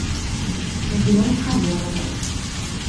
Mae hi mewn cariad ag ef.